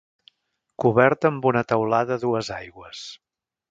Coberta amb una teulada a dues aigües.